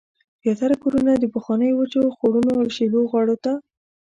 زیاتره کورونه د پخوانیو وچو خوړونو او شیلو غاړو ته